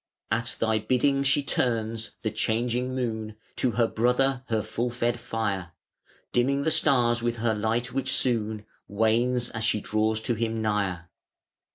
At Thy bidding she turns, the changing Moon To her Brother her full fed fire, Dimming the Stars with her light, which soon Wanes, as she draws to him nigher.